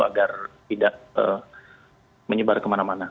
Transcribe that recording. agar tidak menyebar kemana mana